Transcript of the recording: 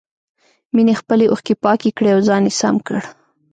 مينې خپلې اوښکې پاکې کړې او ځان يې سم کړ.